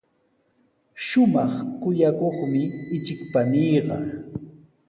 Shumaq kuyakuqmi ichik paniiqa.